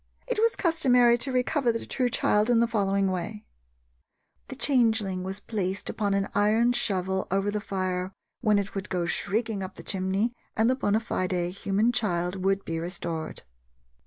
It was customary to recover the true child in the following way: The changeling was placed upon an iron shovel over the fire, when it would go shrieking up the chimney, and the bona fide human child would be restored.